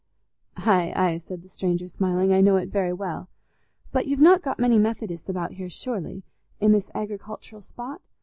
"Aye, aye," said the stranger, smiling. "I know it very well. But you've not got many Methodists about here, surely—in this agricultural spot?